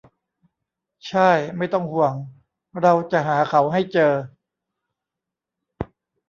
ช่าย ไม่ต้องห่วง เราจะหาเขาให้เจอ